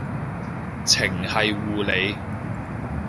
程繫護理